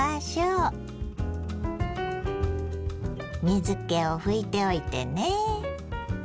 水けを拭いておいてね。